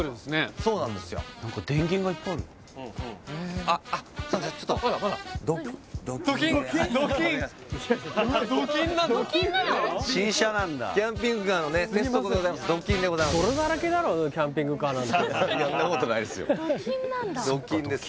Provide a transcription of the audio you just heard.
そんなことないですよ